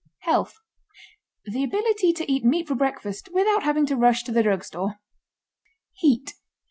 HEALTH. The ability to eat meat for breakfast without having to rush to the drugstore. HEAT.